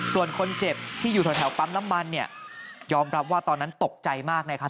ส่วนคนเจ็บที่อยู่แถวปั๊มน้ำมันเนี่ยยอมรับว่าตอนนั้นตกใจมากนะครับ